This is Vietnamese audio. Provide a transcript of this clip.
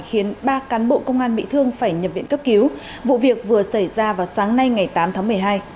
khiến ba cán bộ công an bị thương phải nhập viện cấp cứu vụ việc vừa xảy ra vào sáng nay ngày tám tháng một mươi hai